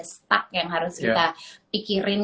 stuck yang harus kita pikirin